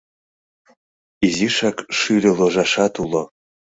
Изишак шӱльӧ ложашат уло.